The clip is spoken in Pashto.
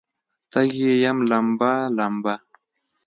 تږې یم لمبه، لمبه